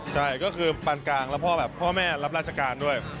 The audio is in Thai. ใช่ก็คือปานกลางแล้วพ่อแบบพ่อแม่รับราชการด้วย